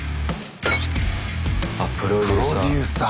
あっプロデューサー。